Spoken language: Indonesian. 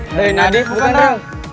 hei nadif kau kenal